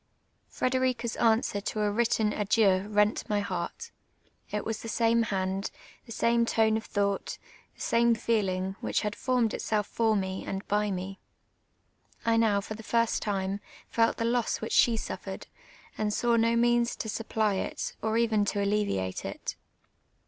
Frederica's answer to a A\Titten adieu rent n y heart. It was the same hand, the same tone of thought, the same feel ing, which had formed itself I'or me and by me. I now, for the first time, felt the loss which she suffered, and saw no means to supply it, or even to alleviate it.